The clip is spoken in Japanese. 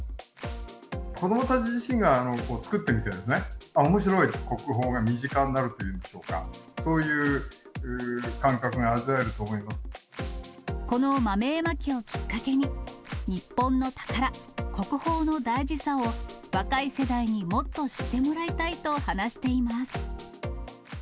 子どもたち自身が作って見ておもしろい、国宝が身近になるというか、そういう感覚が味わえるこの豆絵巻をきっかけに、日本の宝、国宝の大事さを若い世代にもっと知ってもらいたいと話しています。